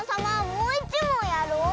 もういちもんやろう！